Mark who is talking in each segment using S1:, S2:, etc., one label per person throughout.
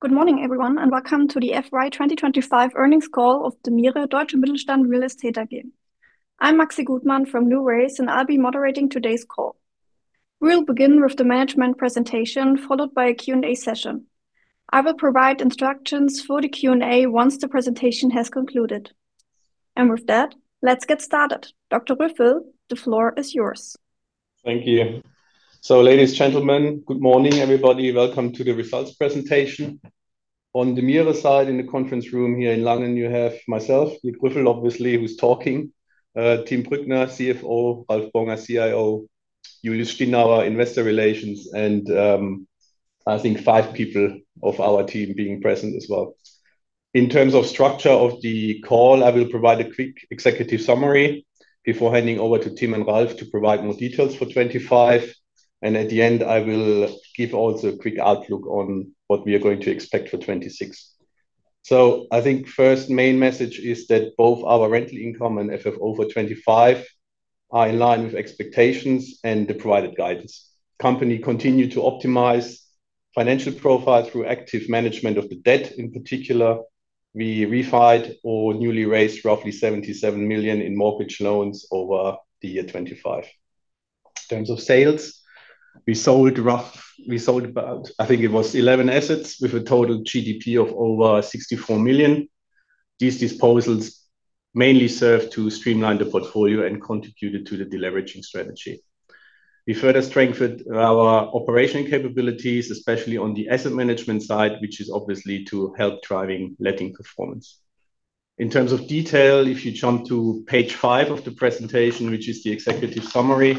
S1: Good morning, everyone, and welcome to the FY 2025 earnings call of DEMIRE Deutsche Mittelstand Real Estate AG. I'm Maxi Gutmann from NuWays, and I'll be moderating today's call. We'll begin with the management presentation, followed by a Q&A session. I will provide instructions for the Q&A once the presentation has concluded. With that, let's get started. Dr. Rüffel, the floor is yours.
S2: Thank you. Ladies and gentlemen, good morning, everybody. Welcome to the results presentation. On the DEMIRE side in the conference room here in Langen, you have myself, Dirk Rüffel, obviously, who's talking, Tim Brückner, CFO, Ralf Bongers, CIO, Julius Stinauer, Investor Relations, and I think five people of our team being present as well. In terms of structure of the call, I will provide a quick executive summary before handing over to Tim and Ralf to provide more details for 2025. At the end, I will give also a quick outlook on what we are going to expect for 2026. I think first main message is that both our rental income and FFO for 2025 are in line with expectations and the provided guidance. Company continued to optimize financial profile through active management of the debt. In particular, we refinanced or newly raised roughly 77 million in mortgage loans over the year 2025. In terms of sales, we sold about, I think it was 11 assets with a total GDV of over 64 million. These disposals mainly serve to streamline the portfolio and contributed to the deleveraging strategy. We further strengthened our operational capabilities, especially on the asset management side, which is obviously to help driving letting performance. In terms of detail, if you jump to page five of the presentation, which is the executive summary.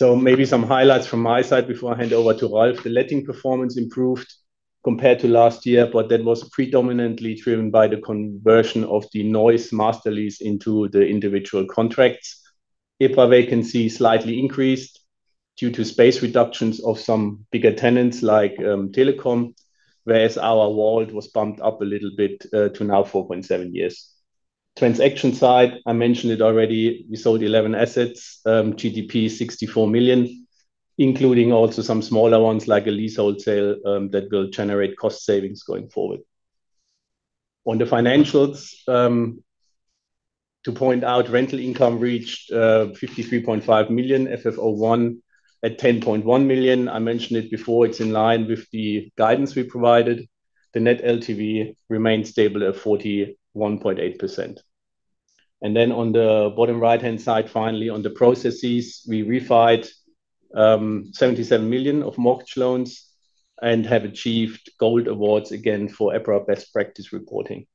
S2: Maybe some highlights from my side before I hand over to Ralf. The letting performance improved compared to last year, but that was predominantly driven by the conversion of the Neuss master lease into the individual contracts. EPRA vacancy slightly increased due to space reductions of some bigger tenants like Telekom, whereas our WALT was bumped up a little bit to now 4.7 years. On the transaction side, I mentioned it already, we sold 11 assets, GDV 64 million, including also some smaller ones like a leasehold that will generate cost savings going forward. On the financials, to point out, rental income reached 53.5 million, FFO I at 10.1 million. I mentioned it before, it's in line with the guidance we provided. The net LTV remains stable at 41.8%. On the bottom right-hand side, finally, on the processes, we refinanced 77 million of mortgage loans and have achieved gold awards again for EPRA Best Practice Reporting.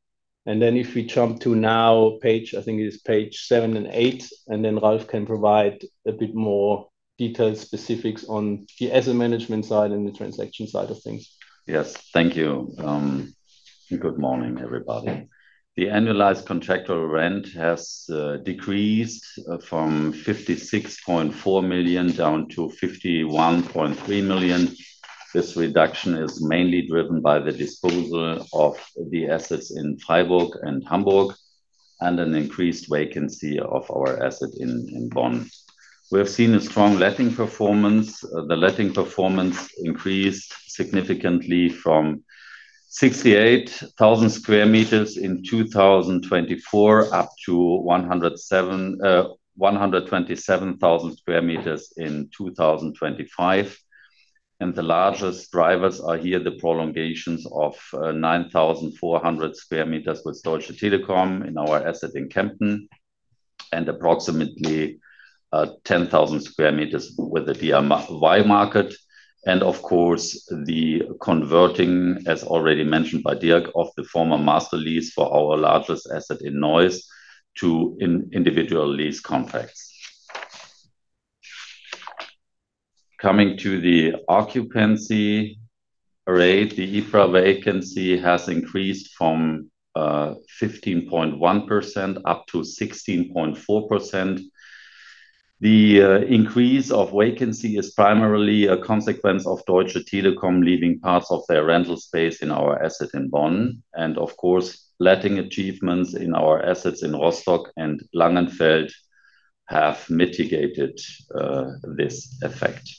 S2: If we jump to next page, I think it is page seven and eight, and then Ralf can provide a bit more detailed specifics on the asset management side and the transaction side of things.
S3: Yes. Thank you. Good morning, everybody. The annualized contractual rent has decreased from 56.4 million down to 51.3 million. This reduction is mainly driven by the disposal of the assets in Freiburg and Hamburg and an increased vacancy of our asset in Bonn. We have seen a strong letting performance. The letting performance increased significantly from 68,000 sqm in 2024 up to 127,000 sqm in 2025. The largest drivers are here, the prolongations of 9,400 sqm with Deutsche Telekom in our asset in Kempten and approximately 10,000 sqm with the DIY market. Of course, the converting, as already mentioned by Dirk, of the former master lease for our largest asset in Neuss to individual lease contracts. Coming to the occupancy rate, the EPRA vacancy has increased from 15.1% up to 16.4%. The increase of vacancy is primarily a consequence of Deutsche Telekom leaving parts of their rental space in our asset in Bonn. Of course, letting achievements in our assets in Rostock and Langenfeld have mitigated this effect.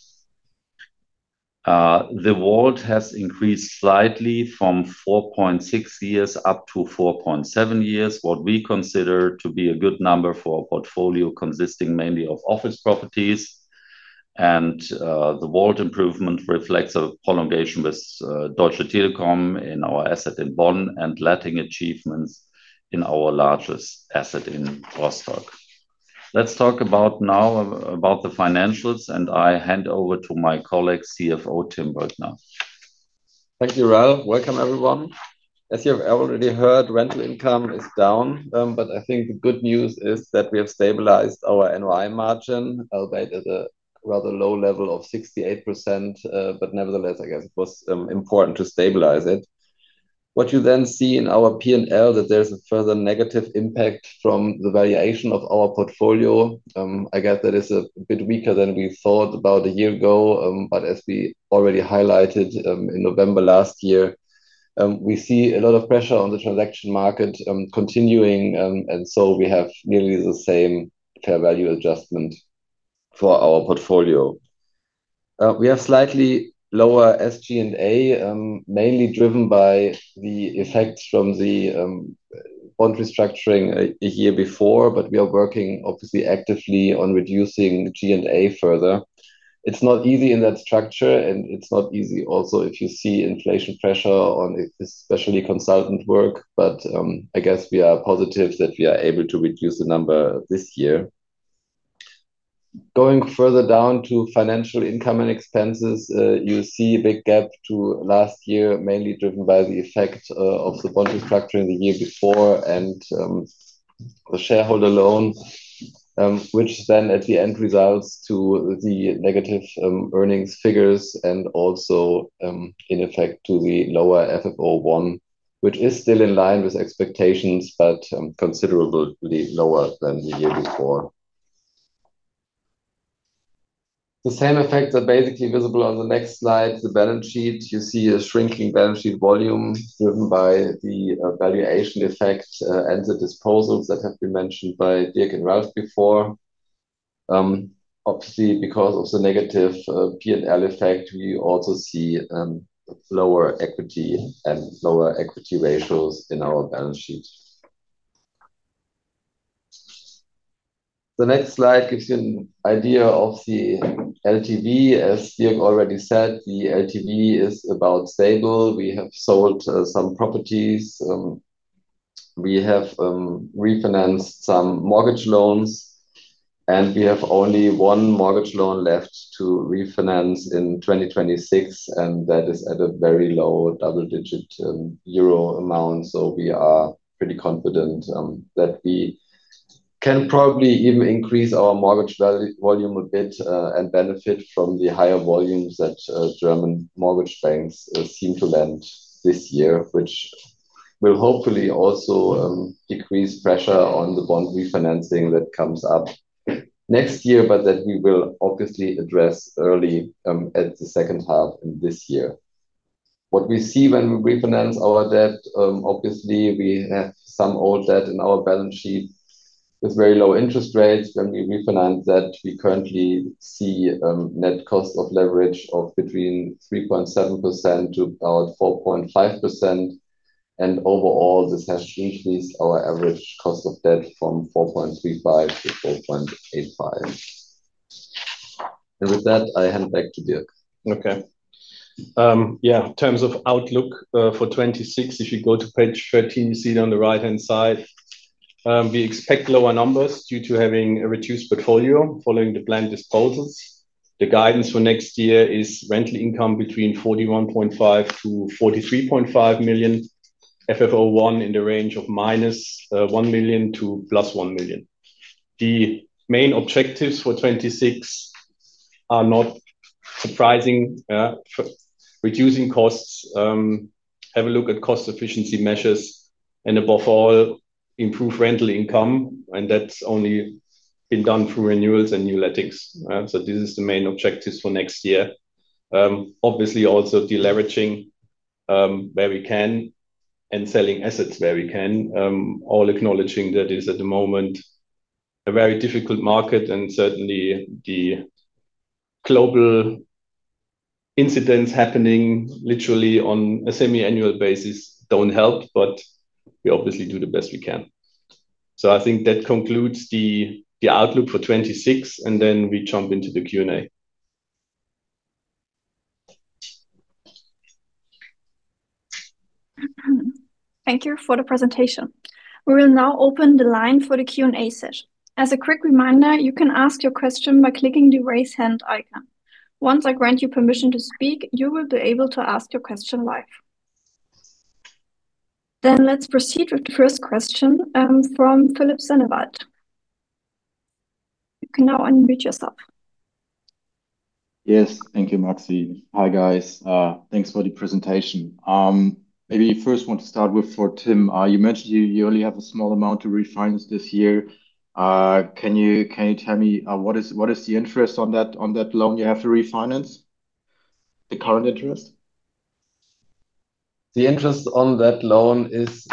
S3: The WALT has increased slightly from 4.6 years up to 4.7 years, what we consider to be a good number for a portfolio consisting mainly of office properties. The WALT improvement reflects a prolongation with Deutsche Telekom in our asset in Bonn and letting achievements in our largest asset in Rostock. Let's talk now about the financials, and I hand over to my colleague, CFO Tim Brückner.
S4: Thank you, Ralf. Welcome, everyone. As you have already heard, rental income is down, but I think the good news is that we have stabilized our NOI margin, albeit at a rather low level of 68%, but nevertheless, I guess it was important to stabilize it. What you then see in our P&L is that there's a further negative impact from the valuation of our portfolio. I get that it is a bit weaker than we thought about a year ago, but as we already highlighted, in November last year. We see a lot of pressure on the transaction market, continuing, and so we have nearly the same fair value adjustment for our portfolio. We have slightly lower SG&A, mainly driven by the effects from the bond restructuring a year before, but we are working obviously actively on reducing G&A further. It's not easy in that structure, and it's not easy also if you see inflation pressure on especially consultant work. I guess we are positive that we are able to reduce the number this year. Going further down to financial income and expenses, you see a big gap to last year, mainly driven by the effect of the bond restructuring the year before and the shareholder loan, which then at the end results to the negative earnings figures and also in effect to the lower FFO I, which is still in line with expectations but considerably lower than the year before. The same effects are basically visible on the next slide. The balance sheet, you see a shrinking balance sheet volume driven by the valuation effect and the disposals that have been mentioned by Dirk and Ralf before. Obviously, because of the negative P&L effect, we also see lower equity and lower equity ratios in our balance sheet. The next slide gives you an idea of the LTV. As Dirk already said, the LTV is about stable. We have sold some properties. We have refinanced some mortgage loans, and we have only one mortgage loan left to refinance in 2026, and that is at a very low double-digit Euro amount. We are pretty confident that we can probably even increase our mortgage loan volume a bit, and benefit from the higher volumes that German mortgage banks seem to lend this year, which will hopefully also decrease pressure on the bond refinancing that comes up next year, but that we will obviously address early in the second half of this year. What we see when we refinance our debt, obviously we have some old debt in our balance sheet with very low interest rates. When we refinance that, we currently see net cost of leverage of between 3.7% to about 4.5%. Overall, this has increased our average cost of debt from 4.35%-4.85%. With that, I hand back to Dirk.
S2: Okay. Yeah, in terms of outlook, for 2026, if you go to page 13, you see it on the right-hand side. We expect lower numbers due to having a reduced portfolio following the planned disposals. The guidance for next year is rental income between 41.5 million-43.5 million, FFO I in the range of -1 million to +1 million. The main objectives for 2026 are not surprising, reducing costs, have a look at cost efficiency measures, and above all, improve rental income, and that's only been done through renewals and new lettings. This is the main objectives for next year. Obviously also deleveraging, where we can and selling assets where we can. All acknowledging that is at the moment a very difficult market, and certainly the global incidents happening literally on a semi-annual basis don't help, but we obviously do the best we can. I think that concludes the outlook for 2026, and then we jump into the Q&A.
S1: Thank you for the presentation. We will now open the line for the Q&A session. As a quick reminder, you can ask your question by clicking the Raise Hand icon. Once I grant you permission to speak, you will be able to ask your question live. Let's proceed with the first question from Philipp Sennewald. You can now unmute yourself.
S5: Yes. Thank you, Maxi. Hi, guys. Thanks for the presentation. Maybe first want to start with for Tim. You mentioned you only have a small amount to refinance this year. Can you tell me what is the interest on that loan you have to refinance? The current interest?
S4: The interest on that loan is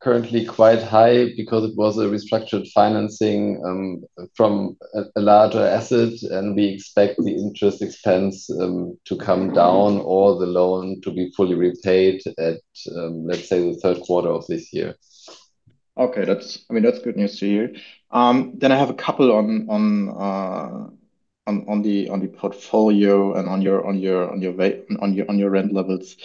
S4: currently quite high because it was a restructured financing from a larger asset, and we expect the interest expense to come down or the loan to be fully repaid at, let's say, the third quarter of this year.
S5: I mean, that's good news to hear. I have a couple on the portfolio and on your rent levels.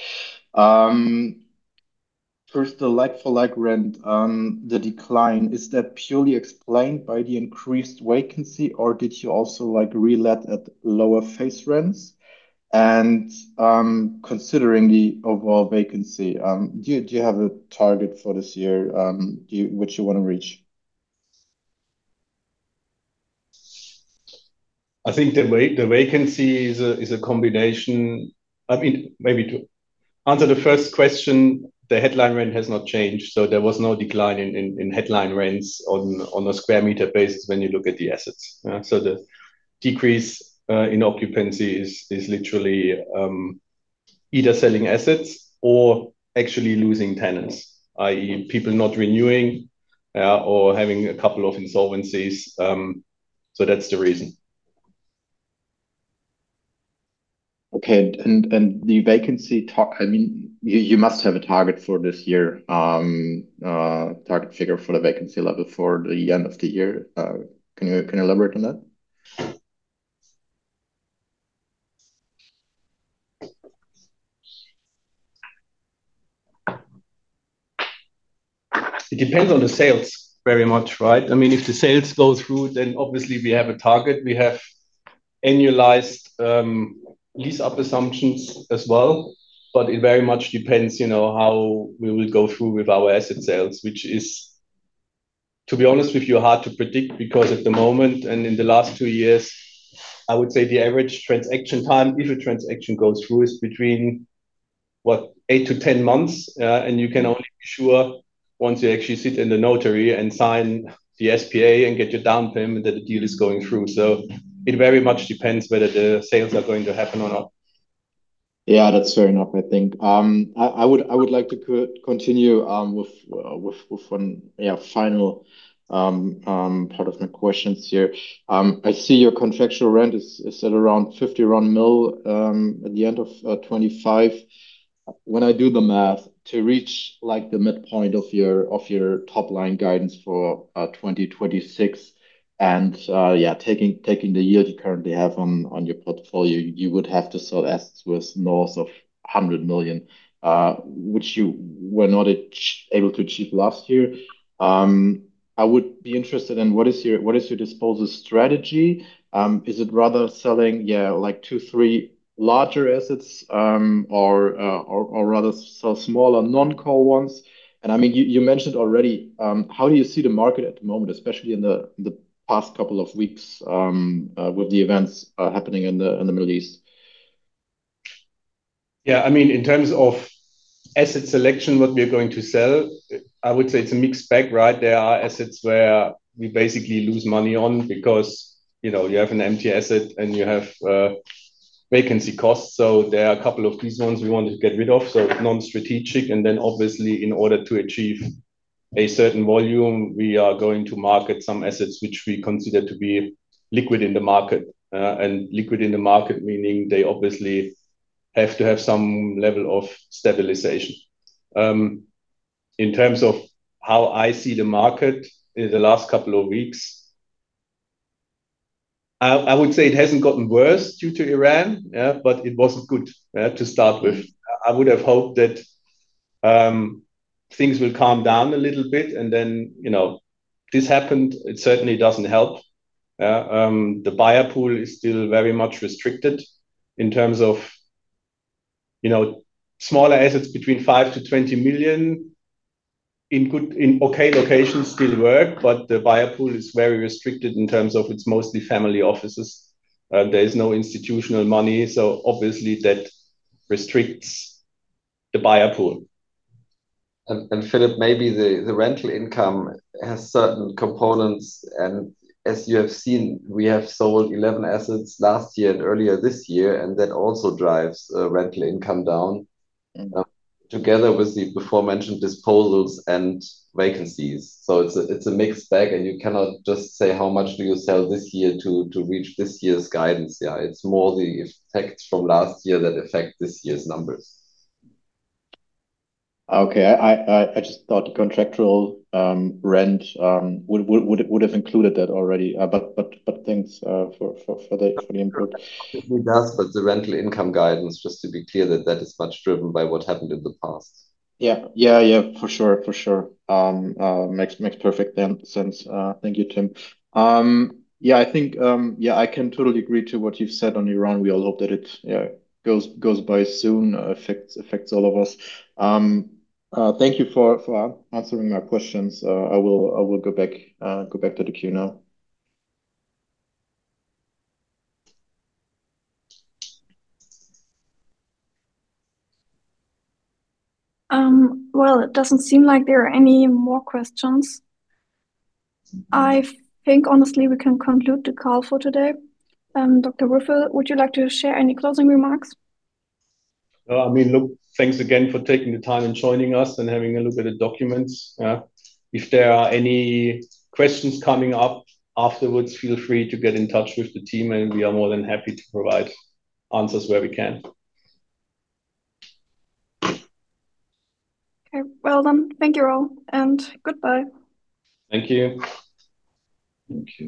S5: First, the like-for-like rent, the decline, is that purely explained by the increased vacancy or did you also like relet at lower face rents? Considering the overall vacancy, do you have a target for this year, which you wanna reach?
S4: I think the vacancy is a combination. I mean, maybe to answer the first question, the headline rent has not changed, so there was no decline in headline rents on a square meter basis when you look at the assets, so the decrease in occupancy is literally either selling assets or actually losing tenants, i.e. people not renewing, or having a couple of insolvencies. So that's the reason.
S5: Okay. I mean, you must have a target for this year, target figure for the vacancy level for the end of the year. Can you elaborate on that?
S2: It depends on the sales very much, right? I mean, if the sales go through, then obviously we have a target. We have annualized lease-up assumptions as well. It very much depends, you know, how we will go through with our asset sales, which is, to be honest with you, hard to predict because at the moment and in the last two years, I would say the average transaction time, if a transaction goes through, is between, what, eight-10 months. You can only be sure once you actually sit in the notary and sign the SPA and get your down payment that the deal is going through. It very much depends whether the sales are going to happen or not.
S5: Yeah. That's fair enough, I think. I would like to continue with one, yeah, final part of my questions here. I see your contractual rent is set around 51 million at the end of 2025. When I do the math, to reach, like, the midpoint of your top line guidance for 2026 and, yeah, taking the yield you currently have on your portfolio, you would have to sell assets worth north of 100 million, which you were not able to achieve last year. I would be interested in what is your disposal strategy. Is it rather selling, yeah, like two, three larger assets, or rather sell smaller non-core ones? I mean, you mentioned already how do you see the market at the moment, especially in the past couple of weeks, with the events happening in the Middle East?
S2: Yeah. I mean, in terms of asset selection, what we are going to sell, I would say it's a mixed bag, right? There are assets where we basically lose money on because, you know, you have an empty asset and you have vacancy costs. There are a couple of these ones we wanted to get rid of. Non-strategic. Obviously, in order to achieve a certain volume, we are going to market some assets which we consider to be liquid in the market. And liquid in the market, meaning they obviously have to have some level of stabilization. In terms of how I see the market in the last couple of weeks, I would say it hasn't gotten worse due to Iran. Yeah. It wasn't good to start with. I would have hoped that things will calm down a little bit and then, you know, this happened. It certainly doesn't help. The buyer pool is still very much restricted in terms of, you know, smaller assets between 5 million-20 million in good, in okay locations still work, but the buyer pool is very restricted in terms of it's mostly family offices. There is no institutional money, so obviously that restricts the buyer pool.
S4: Philipp, maybe the rental income has certain components and as you have seen, we have sold 11 assets last year and earlier this year, and that also drives rental income down. Mm-hmm Together with the beforementioned disposals and vacancies. It's a mixed bag, and you cannot just say, how much do you sell this year to reach this year's guidance? Yeah. It's more the effects from last year that affect this year's numbers.
S5: Okay. I just thought the contractual rent would have included that already. But thanks for the input.
S4: It does, but the rental income guidance, just to be clear, that is much driven by what happened in the past.
S5: Yeah. For sure. Makes perfect sense. Thank you, Tim. Yeah, I think I can totally agree to what you've said on Iran. We all hope that it goes by soon. It affects all of us. Thank you for answering my questions. I will go back to the queue now.
S1: Well, it doesn't seem like there are any more questions. I think honestly we can conclude the call for today. Dr. Rüffel, would you like to share any closing remarks?
S2: I mean, look, thanks again for taking the time and joining us and having a look at the documents. If there are any questions coming up afterwards, feel free to get in touch with the team, and we are more than happy to provide answers where we can.
S1: Okay. Well, thank you all, and goodbye.
S2: Thank you.
S5: Thank you.